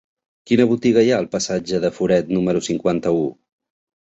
Quina botiga hi ha al passatge de Foret número cinquanta-u?